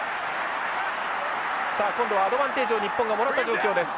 さあ今度はアドバンテージを日本がもらった状況です。